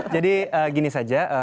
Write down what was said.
jadi gini saja